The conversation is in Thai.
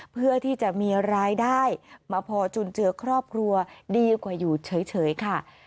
เพื่อที่จะมีรายได้มาพอจุนเจือครอบครัวดีกว่าอยู่เฉยค่ะ